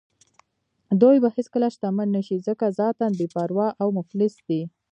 دوی به هېڅکله شتمن نه شي ځکه ذاتاً بې پروا او مفلس دي.